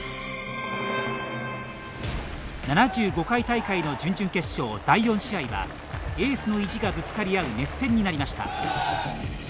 ７５回大会の準々決勝第４試合はエースの意地がぶつかり合う熱戦になりました。